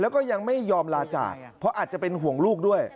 แล้วก็ยังไม่ยอมลาจากเพราะอาจจะเป็นห่วงลูกด้วย